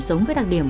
giống với đặc điểm